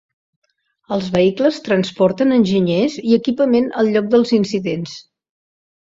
Els vehicles transporten enginyers i equipament al lloc dels incidents.